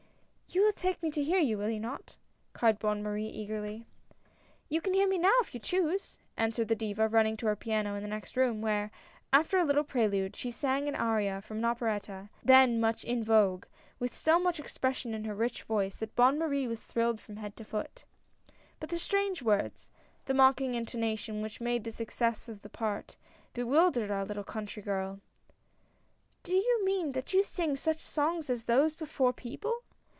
"You will take me to hear you, will you not?" cried Bonne Marie, eagerly. " You can hear me now if you choose!" answered the Diva, running to her piano in the next room, where, after a little prelude, she sang an aria from an operetta then much in vogue, with so much expression in her rich voice, that Bonne Marie was thrilled from head to foot. But the strange words, the mocking intonation which made the success of the part, bewildered our little country girl. " Do you mean that you sing such songs as those before people?"